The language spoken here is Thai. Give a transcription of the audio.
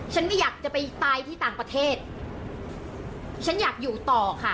ฉันไม่อยากจะไปตายที่ต่างประเทศฉันอยากอยู่ต่อค่ะ